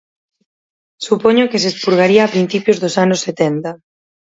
Supoño que se expurgaría a principios dos anos setenta.